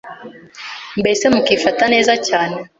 mbese mukifata neza cyane